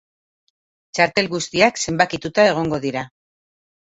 Txartel guztiak zenbakituta egongo dira.